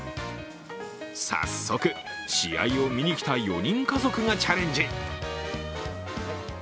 早速、試合を見に来た４人家族がチャレンジ。